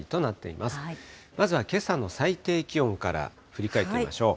まずはけさの最低気温から、振り返ってみましょう。